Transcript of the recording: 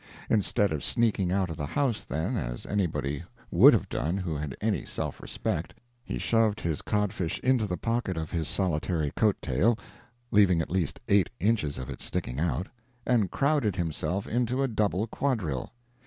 Instead of sneaking out of the house, then, as anybody would have done who had any self respect, he shoved his codfish into the pocket of his solitary coat tail (leaving at least eight inches of it sticking out), and crowded himself into a double quadrille.